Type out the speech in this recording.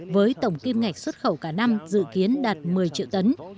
với tổng kim ngạch xuất khẩu cả năm dự kiến đạt một mươi triệu tấn